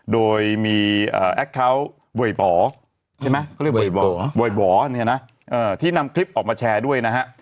โดยมีแอคเคาน์บ่อยบ่อใช่ไหมเขาเรียกบ่อยบ๋อเนี่ยนะที่นำคลิปออกมาแชร์ด้วยนะฮะ